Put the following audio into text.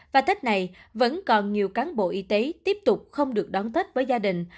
và tết này vẫn còn nhiều cán bộ y tế tiếp tục không được đón tết với gia đình